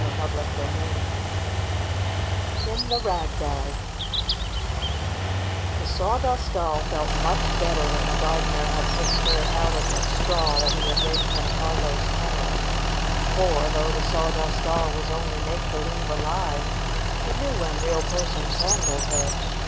CHAPTER VII IN' THE RAG BAG The Sawdust Doll felt much better when the gardener had picked her out of the straw that he had raked from Carlo's ken nel. For, though the Sawdust Doll was only make believe alive, she knew when real persons handled her.